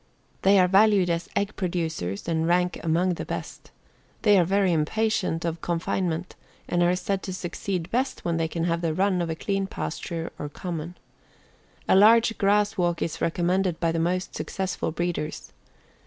They are valued as egg producers and rank among the best. They are very impatient of confinement and are said to succeed best when they can have the run of a clean pasture or common. A large grass walk is recommended by the most successful breeders.